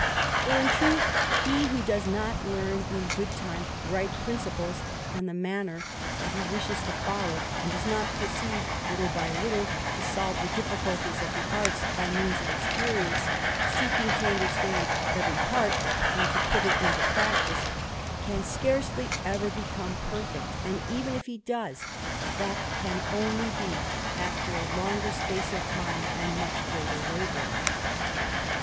For in truth he who does not learn in good time right principles and the manner that he wishes to follow, and does not proceed little by little to solve the difficulties of the arts by means of experience, seeking to understand every part, and to put it into practice, can scarcely ever become perfect; and even if he does, that can only be after a longer space of time and much greater labour.